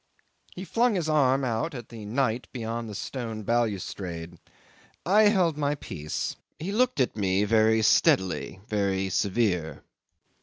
'He flung his arm out at the night beyond the stone balustrade. I held my peace. He looked at me very steadily, very severe.